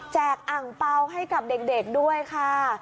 แจกอ่างเปล่าให้กับเด็กด้วยค่ะ